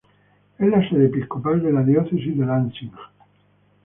Es la sede episcopal de la Diócesis de Lansing.